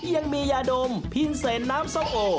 ยังมียาดมพินเซนน้ำส้มโอ